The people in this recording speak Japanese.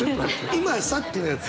今さっきのやつ？